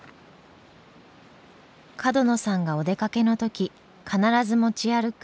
角野さんがお出かけの時必ず持ち歩く